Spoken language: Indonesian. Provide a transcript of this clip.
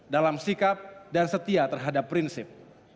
dalam sikap dan setia terhadap prinsip